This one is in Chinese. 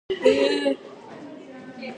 关注永雏塔菲喵